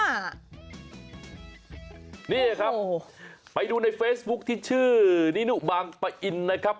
นี่ครับไปดูในเฟซบุ๊คที่ชื่อนินุบางปะอินนะครับ